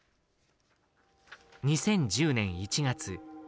２０１０年１月。